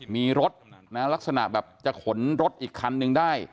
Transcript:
มีรถนะลักษณะแบบจะขนรถอีกคันนึงได้